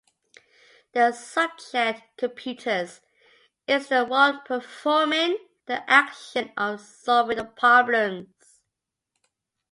The subject "computers" is the one performing the action of solving the problems.